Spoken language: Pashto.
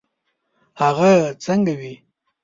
هغه څنګه وي.